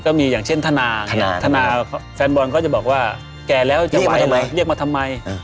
ก็มีอย่างเช่นธนาธนาแฟนบอลก็จะบอกว่าแกแล้วจะไหวแล้วเรียกมาทำไม